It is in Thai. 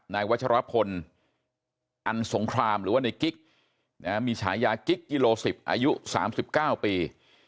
วัชรพลอันสงครามหรือว่าในกิ๊กมีฉายากิ๊กกิโล๑๐อายุ๓๙ปี